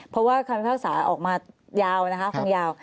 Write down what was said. เพราะว่าคณะภาพภาคศาสตร์ออกมายาวนะครับครั้งยาว